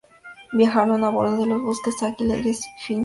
Viajaron a bordo de los buques "Águila" y "Esfinge".